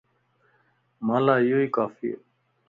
مان لا اھو اي ڪافيَ